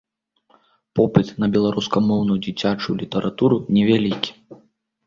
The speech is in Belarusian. Попыт на беларускамоўную дзіцячую літаратуру невялікі.